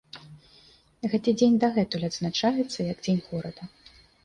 Гэты дзень дагэтуль адзначаецца як дзень горада.